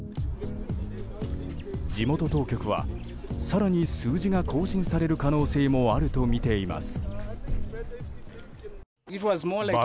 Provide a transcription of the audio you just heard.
地元当局は、更に数字が更新される可能性もあるとみています。